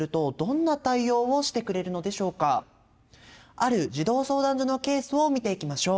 ある児童相談所のケースを見ていきましょう。